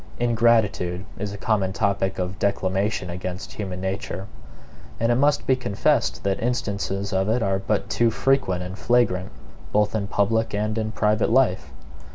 Ingratitude is a common topic of declamation against human nature; and it must be confessed that instances of it are but too frequent and flagrant, both in public and in private life.